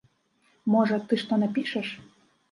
Можа, ты што напішаш?